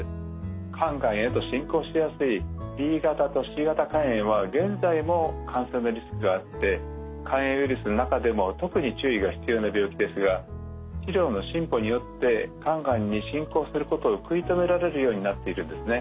肝がんへと進行しやすいＢ型とＣ型肝炎は現在も感染のリスクがあって肝炎ウイルスの中でも特に注意が必要な病気ですが医療の進歩によって肝がんに進行することを食い止められるようになっているんですね。